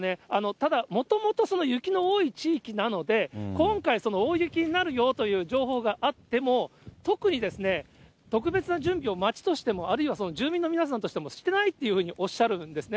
ただ、もともと雪の多い地域なので、今回、大雪になるよという情報があっても、特に特別な準備を、町としても、あるいは住民の皆さんとしてもしてないというふうにおっしゃるんですね。